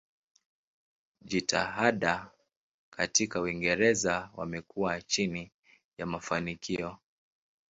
Jitihada katika Uingereza wamekuwa chini ya mafanikio.